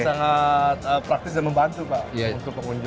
sangat praktis dan membantu pak untuk pengunjung